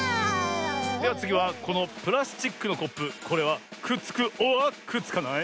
ではつぎはこのプラスチックのコップこれはくっつくｏｒくっつかない？